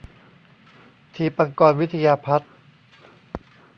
ทีปังกรวิทยาพัฒน์